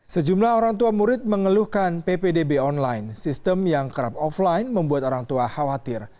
sejumlah orang tua murid mengeluhkan ppdb online sistem yang kerap offline membuat orang tua khawatir